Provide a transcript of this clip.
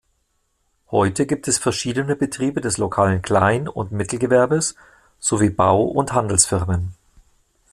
Heute gibt es verschiedene Betriebe des lokalen Klein- und Mittelgewerbes sowie Bau- und Handelsfirmen.